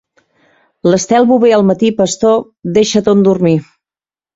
L'Estel Bover al matí, pastor, deixa ton dormir.